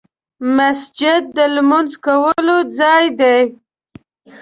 مسجد د لمونځ کولو ځای دی .